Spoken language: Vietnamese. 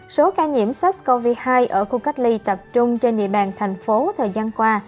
số ca nhiễm sars cov hai ở khu cách ly tập trung trên địa bàn thành phố thời gian qua